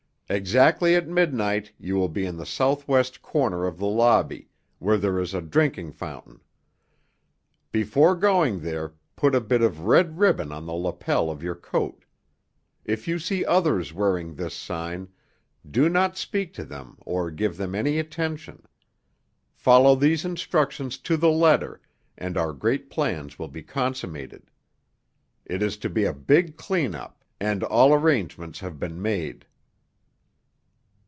"Exactly at midnight you will be in the southwest corner of the lobby, where there is a drinking fountain. Before going there put a bit of red ribbon on the lapel of your coat. If you see others wearing this sign, do not speak to them or give them any attention. Follow these instructions to the letter, and our great plans will be consummated. It is to be a big clean up, and all arrangements have been made."